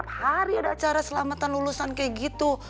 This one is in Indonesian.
masa gak tiap hari ada acara selamatan lulusan kayak gitu